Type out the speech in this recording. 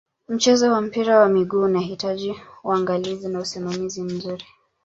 mchezo wa mpira wa miguu unahitaji unagalizi na usimamizi mzuri